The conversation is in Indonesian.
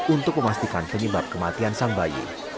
untuk memastikan penyebab kematian sang bayi